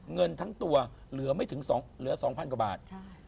เงินทั้งตัวเหลือ๒๐๐๐กว่าบาท